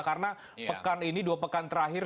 karena pekan ini dua pekan terakhir